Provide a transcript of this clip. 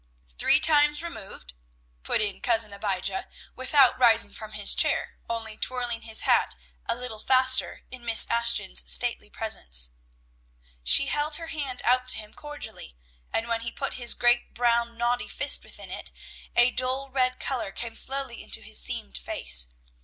"Three times removed," put in Cousin Abijah, without rising from his chair, only twirling his hat a little faster in Miss Ashton's stately presence. She held her hand out to him cordially, and when he put his great brown knotty fist within it, a dull red color came slowly into his seamed face.